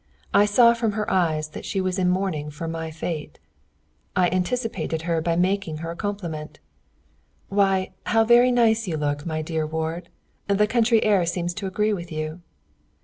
I saw from her eyes that she was in mourning for my fate. I anticipated her by making her a compliment. "Why, how nice you look, my dear ward! The country air seems to agree with you."